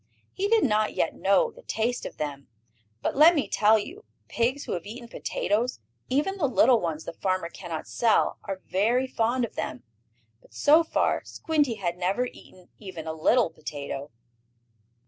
He did not yet know the taste of them. But, let me tell you, pigs who have eaten potatoes, even the little ones the farmer cannot sell, are very fond of them. But, so far, Squinty had never eaten even a little potato.